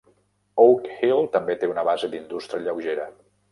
Oak Hill també té una base d'indústria lleugera.